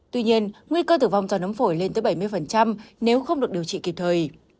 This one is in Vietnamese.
tuy nhiên nguy cơ tử vong do nấm phổi lên tới bảy mươi nếu không được điều trị kịp thời